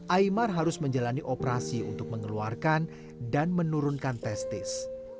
aymar harus menjalani operasi untuk mengeluarkan dan menurunkan testis